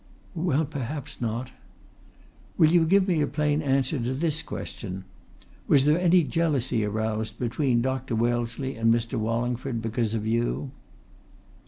"Well, perhaps not." "Will you give me a plain answer to this question? Was there any jealousy aroused between Dr. Wellesley and Mr. Wallingford because of you?"